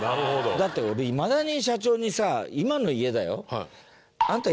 だって俺いまだに社長にさ今の家だよ？って言われる。